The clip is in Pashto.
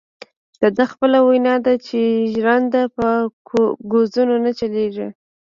دده خپله وینا ده چې ژرنده په کوزو نه چلیږي.